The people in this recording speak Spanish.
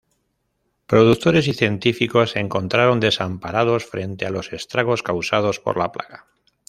Productores y científicos se encontraron desamparados frente a los estragos causados por la plaga.